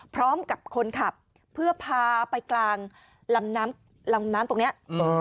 พร้อมกับคนขับเพื่อพาไปกลางลำน้ำลำน้ำตรงนี้